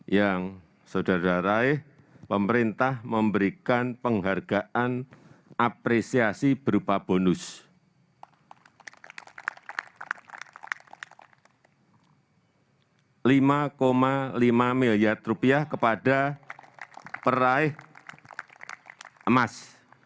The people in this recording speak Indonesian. yang saudara raih pemerintah memberikan penghargaan apresiasi berupa bonus rp lima lima miliar kepada peraih emas